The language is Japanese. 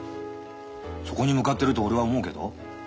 そこに向かってると俺は思うけど。